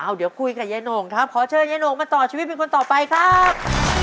เดี๋ยวคุยกับยายโหน่งครับขอเชิญยายโหน่งมาต่อชีวิตเป็นคนต่อไปครับ